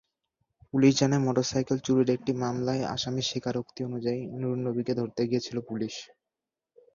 Police জানায়, motorcycle চুরির একটি মামলায় আসামির স্বীকারোক্তি অনুযায়ী নুরন্নবীকে ধরতে গিয়েছিল পুলিশ।